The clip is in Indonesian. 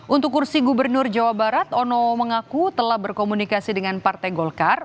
untuk kursi gubernur jawa barat ono mengaku telah berkomunikasi dengan partai golkar